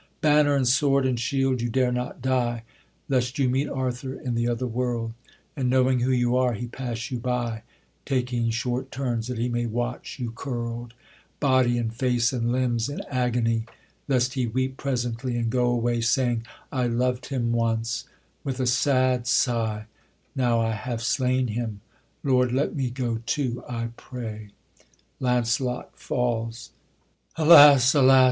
Banner, and sword, and shield, you dare not die, Lest you meet Arthur in the other world, And, knowing who you are, he pass you by, Taking short turns that he may watch you curl'd, Body and face and limbs in agony, Lest he weep presently and go away, Saying: I loved him once, with a sad sigh, Now I have slain him, Lord, let me go too, I pray. [Launcelot falls. Alas! alas!